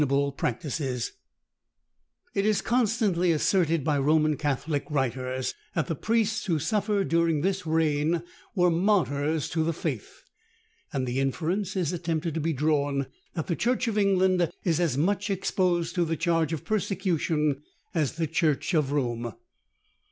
] It is constantly asserted by Roman Catholic writers, that the priests who suffered during this reign were martyrs to the faith: and the inference is attempted to be drawn, that the church of England is as much exposed to the charge of persecution as the church of Rome.